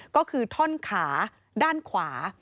ก็คือท่อนขาด้านขวา